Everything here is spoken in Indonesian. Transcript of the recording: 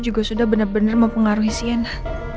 juga sudah benar benar mempengaruhi sienna